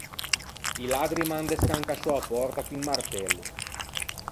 I laddri m’an descancasciou a pòrta con un martello.